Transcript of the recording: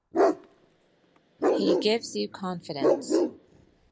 He gives you confidence.